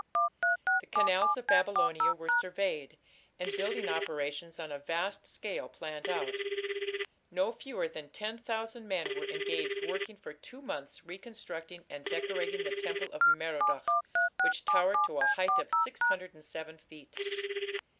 The canals of Babylonia were surveyed, and building operations on a vast scale planned out. No fewer than ten thousand men were engaged working for two months reconstructing and decorating the temple of Merodach, which towered to a height of 607 feet.